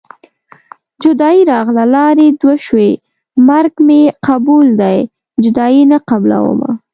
جدايي راغله لارې دوه شوې مرګ مې قبول دی جدايي نه قبلومه